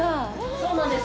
そうなんです。